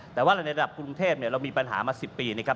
แต่ว่าในระดับกรุงเทพเรามีปัญหามา๑๐ปีนะครับ